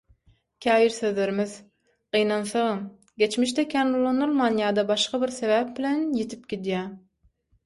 Käbir sözlerimiz, gynansagam, geçmişde kän ulanylman ýa-da başga bir sebäp bilen, ýitip gidýär